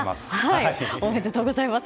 おめでとうございます。